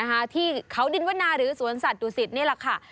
อ้าวที่เขาดินวันนาหรือสวนสัตว์ดูสิทธิ์นี่แหละค่ะ